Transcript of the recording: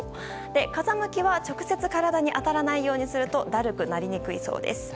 風向きは直接体に当たらないようにするとだるくなりにくいそうです。